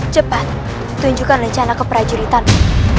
cepat tunjukkan rencana ke prajuritanku